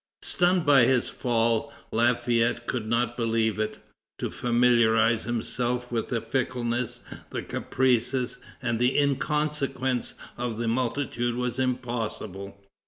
Stunned by his fall, Lafayette could not believe it. To familiarize himself with the fickleness, the caprices, and the inconsequence of the multitude was impossible.